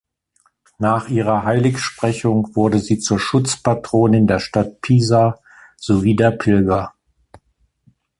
Nach ihrer Heiligsprechung wurde sie zur Schutzpatronin der Stadt Pisa sowie der Pilger.